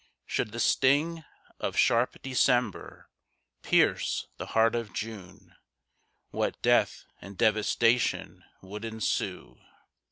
Should the sting Of sharp December pierce the heart of June, What death and devastation would ensue!